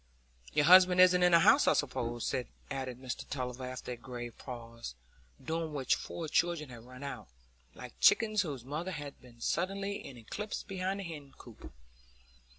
"Your husband isn't in the house, I suppose?" added Mr Tulliver after a grave pause, during which four children had run out, like chickens whose mother has been suddenly in eclipse behind the hen coop.